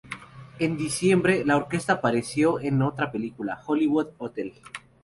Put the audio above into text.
En diciembre, la orquesta apareció en otra película, "Hollywood Hotel".